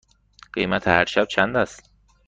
قیمت هر شب چند است؟